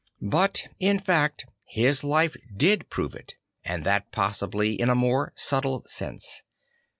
But in fact his life did prove it, and that possibly in a more subtle sense.